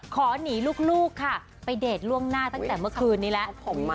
ขอหนีลูกค่ะไปเดทล่วงหน้าตั้งแต่เมื่อคืนนี้แล้ว